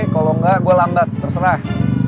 kalo gak gue lambat terserah